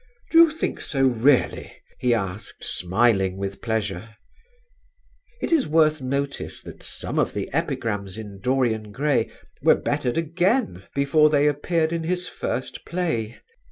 "Do you think so, really?" he asked, smiling with pleasure. It is worth notice that some of the epigrams in "Dorian Gray" were bettered again before they appeared in his first play.